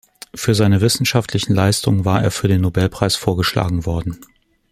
Für seine wissenschaftlichen Leistungen war er für den Nobelpreis vorgeschlagen worden.